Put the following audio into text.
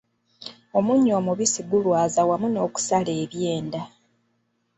Omunnyo omubisi gulwaza wamu n'okusala ebyenda.